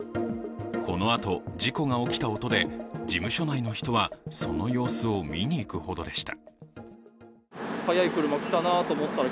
このあと、事故が起きた音で事務所内の人はその様子を見に行くほどでした。